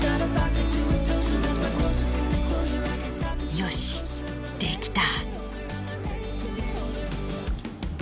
よしできた！